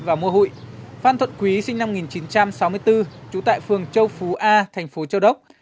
và mua hụi phan thuận quý sinh năm một nghìn chín trăm sáu mươi bốn trú tại phường châu phú a thành phố châu đốc